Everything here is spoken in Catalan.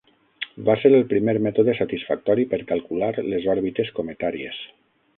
Va ser el primer mètode satisfactori per calcular les òrbites cometàries.